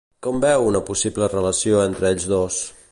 Com veu una possible relació entre ells dos?